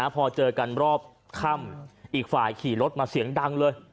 พอเจอกันรอบค่ำอีกฝ่ายขี่รถมาเสียงดังเลย